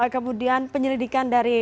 kemudian penyelidikan dari